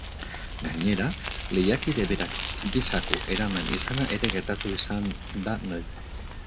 Gainera, lehiakide berak bi zaku eraman izana ere gertatu izan da noizbait.